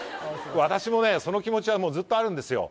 私もねその気持ちはもうずっとあるんですよ